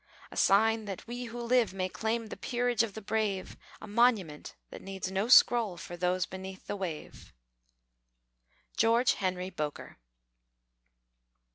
A sign that we who live may claim The peerage of the brave; A monument, that needs no scroll, For those beneath the wave! GEORGE HENRY BOKER.